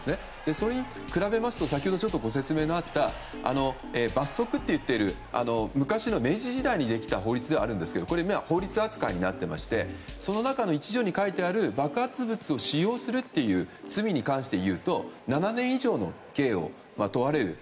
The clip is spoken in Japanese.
それに比べると先ほどご説明のあった罰則といっている昔の明治時代にできた法律ではあるんですが法律扱いになっていましてその中の１条に書いてある爆発物を使用するという罪に関して言うと７年以上の刑を問われる。